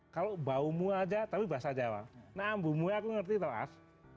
kalau baumu aja tapi bahasa jawa nah bumbunya aku ngerti tuh as